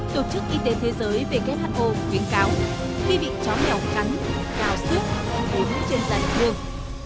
tổ chức y tế thế giới who khuyến cáo khi bị chó mèo cắn cao sức hối hữu trên dạy thương